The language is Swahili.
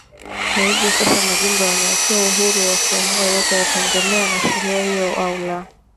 Kwa hivyo sasa, majimbo yameachiwa uhuru wa kuamua iwapo yataendelea na sheria hiyo au la.